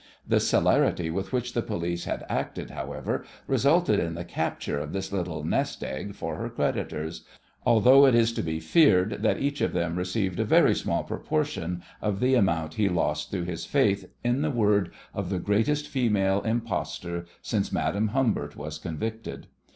The celerity with which the police had acted, however, resulted in the capture of this little "nest egg" for her creditors, although it is to be feared that each of them received a very small proportion of the amount he lost through his faith in the word of the greatest female impostor since Madame Humbert was convicted.